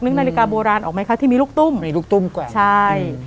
นาฬิกาโบราณออกไหมคะที่มีลูกตุ้มมีลูกตุ้มกว่าใช่